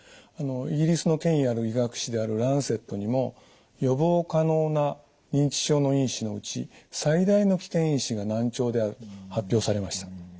イギリスの権威ある医学誌である「ランセット」にも「予防可能な認知症の因子のうち最大の危険因子が難聴である」と発表されました。